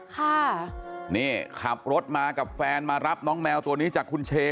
ค่ะนี่ขับรถมากับแฟนมารับน้องแมวตัวนี้จากคุณเช